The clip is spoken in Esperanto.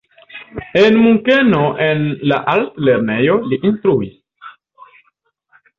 En Munkeno en la altlernejo li instruis.